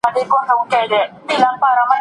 د صنايعو بنسټ په همدې ځای کي کېښودل سو.